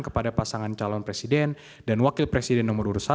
kepada pasangan calon presiden dan wakil presiden nomor urut satu